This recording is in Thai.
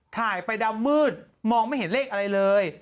ถ่ายไปดำมืดมองไม่เห็นเลขอะไรเลย